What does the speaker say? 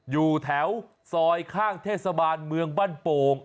อยู่แถวซอยข้างเทศบาลเมืองบ้านโป่ง